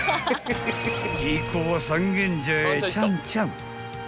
［一行は三軒茶屋へちゃんちゃん］